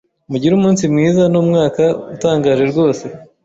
Mugire umunsi mwiza n'umwaka utangaje rwose